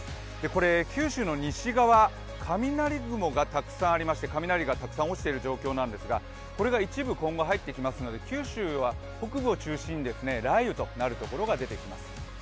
これ九州の西側、雷雲がたくさんありまして雷がたくさん落ちている状況なんですがこれが一部今後入ってきますので九州は北部を中心に雷雨となるところが出てきます。